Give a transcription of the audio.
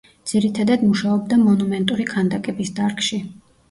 ძირითადად მუშაობდა მონუმენტური ქანდაკების დარგში.